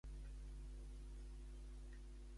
I què li provoca alegria a un català?